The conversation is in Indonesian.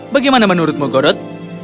bagaimana menurutmu godot